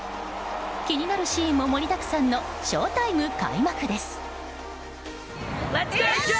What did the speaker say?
気になるシーンも盛りだくさんのショウタイム開幕です。